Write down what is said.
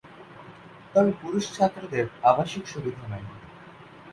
তবে পুরুষ ছাত্রদের আবাসিক সুবিধা নাই।